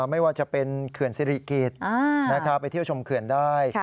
ไม่ว่าจะเป็นเขื่อนสิริกิจไปเที่ยวชมเขื่อนได้